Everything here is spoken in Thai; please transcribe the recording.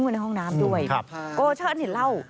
บนห้องน้ำด้วยก็เชิญให้เล่า